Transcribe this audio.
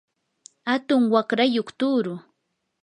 atun waqrayuq tuuru.